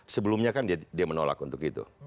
sebelumnya kan dia menolak untuk itu